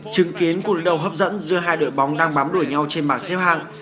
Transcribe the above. chứng kiến của lý đầu hấp dẫn giữa hai đội bóng đang bám đuổi nhau trên mạng xếp hạng